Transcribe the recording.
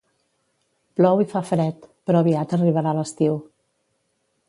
Plou i fa fred, però aviat arribarà l'estiu